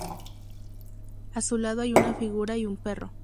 A su lado hay una figura y un perro.